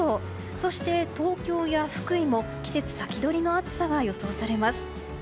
そして東京や福井も季節先取りの暑さが予想されます。